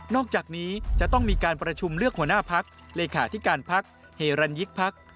อกจากนี้จะต้องมีการประชุมเลือกหัวหน้าพักเลขาธิการพักเฮรันยิกพัก